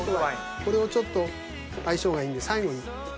これをちょっと相性がいいんで最後に。